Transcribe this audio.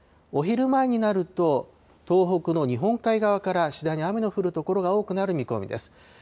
お昼前になると、東北の日本海側から次第に雨の降る所が多くなる見込みです。